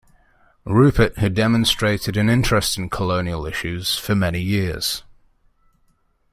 Rupert had demonstrated an interest in colonial issues for many years.